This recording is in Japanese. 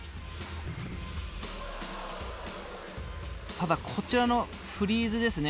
ただこちらのフリーズですね。